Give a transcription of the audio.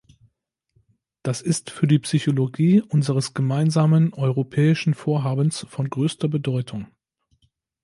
Das ist für die Psychologie unseres gemeinsamen europäischen Vorhabens von größter Bedeutung.